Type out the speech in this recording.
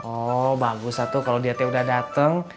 oh bagus tuh kalau dia teh udah dateng